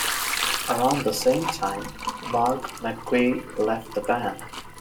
Around the same time, Mark McGee left the band.